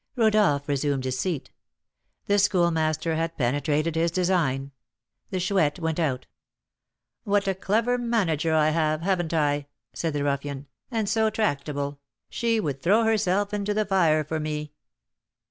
Rodolph resumed his seat. The Schoolmaster had penetrated his design. The Chouette went out. "What a clever manager I have, haven't I?" said the ruffian; "and so tractable, she would throw herself into the fire for me."